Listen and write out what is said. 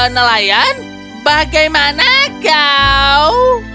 nelayan bagaimana kau